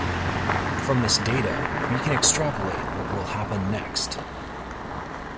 From this data, we can extrapolate what will happen next.